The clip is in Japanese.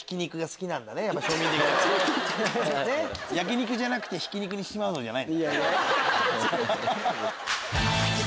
「焼き肉じゃなくてひき肉にしちまうぞ」じゃない？